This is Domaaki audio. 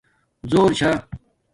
زُݸر چھا